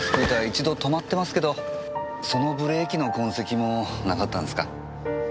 一度止まってますけどそのブレーキの痕跡もなかったんですか？